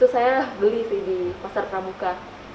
saya beli di pasar kabuka